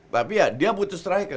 tapi ya dia butuh striker